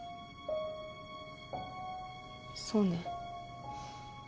そうね。